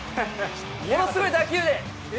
ものすごく打球で。